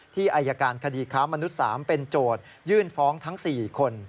อายการคดีค้ามนุษย์๓เป็นโจทยื่นฟ้องทั้ง๔คน